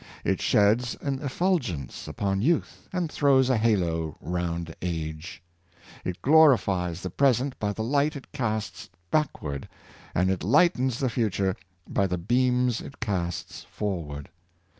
It sheds an effulgence upon youth, and throws a halo round age. It glorifies the present by the light it casts backward, and it lightens the fu ture by the beams it casts forward.